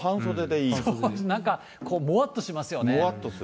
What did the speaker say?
なんかもわっとしますよね。